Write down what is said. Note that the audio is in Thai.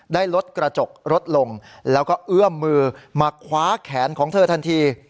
ได้ลดกระจกรถลงแล้วก็เอื้อมมือมาคว้าแขนของเธอทันที